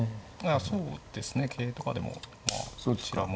あそうですね桂とかでもまあそちらも。